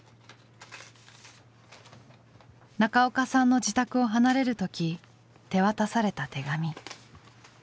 中岡さんの自宅を離れる時手渡された手紙。